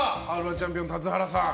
チャンピオン田津原さん